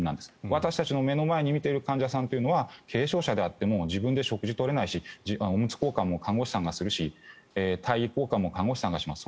私たちの目の前で診ている患者さんは軽症者であっても自分で食事を取れないしおむつ交換も看護師さんがしますし体位交換も看護師さんがします。